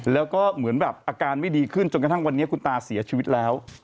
แล้วก็เหมือนแบบอาการไม่ดีขึ้นจนกระทั่งวันนี้คุณตาเสียชีวิตแล้ว